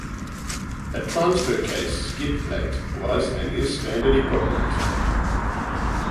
A transfer case skid plate was and is standard equipment.